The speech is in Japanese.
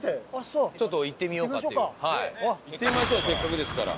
行ってみましょうせっかくですから。